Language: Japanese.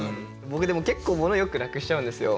僕でも結構物をよくなくしちゃうんですよ。